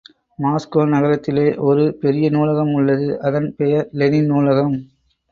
Moscow நகரத்திலே ஒரு பெரிய நூலகம் உள்ளது, அதன் பெயர் லெனின் நூலகம்.